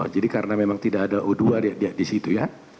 jadi karena memang tidak ada o dua di situ ya